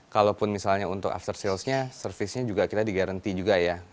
kalaupun misalnya untuk after sales nya servisnya juga kita digaranti juga ya